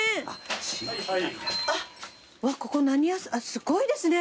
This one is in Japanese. すごいですね。